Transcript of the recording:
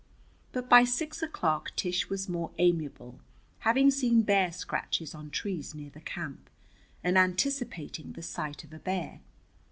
But by six o'clock Tish was more amiable, having seen bear scratches on trees near the camp, and anticipating the sight of a bear.